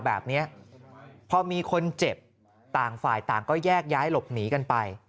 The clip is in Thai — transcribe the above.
แบบนี้พอมีคนเจ็บต่างฝ่ายต่างก็แยกย้ายหลบหนีกันไป